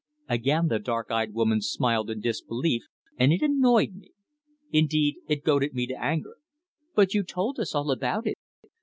Again the dark eyed woman smiled in disbelief, and it annoyed me. Indeed, it goaded me to anger. "But you told us all about it.